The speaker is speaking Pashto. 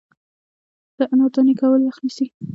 د انار دانې کول وخت نیسي.